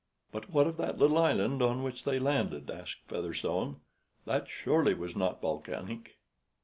"But what of that little island on which they landed?" asked Featherstone. "That, surely, was not volcanic."